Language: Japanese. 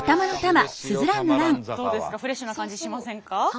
どうですかフレッシュな感じしませんか？